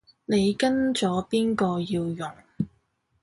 你跟咗邊個要用